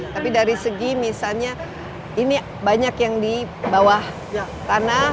tapi dari segi misalnya ini banyak yang di bawah tanah